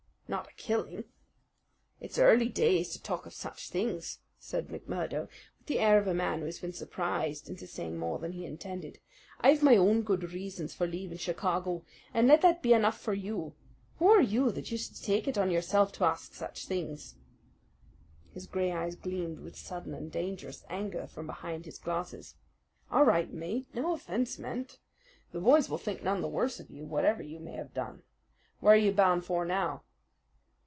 "Not a killing!" "It's early days to talk of such things," said McMurdo with the air of a man who had been surprised into saying more than he intended. "I've my own good reasons for leaving Chicago, and let that be enough for you. Who are you that you should take it on yourself to ask such things?" His gray eyes gleamed with sudden and dangerous anger from behind his glasses. "All right, mate, no offense meant. The boys will think none the worse of you, whatever you may have done. Where are you bound for now?"